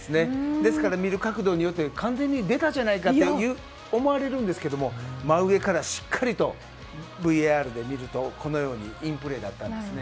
ですから、見る角度によって完全に出たじゃないかと思われるんですけど真上からしっかりとＶＡＲで見るとこのようにインプレーだったんです。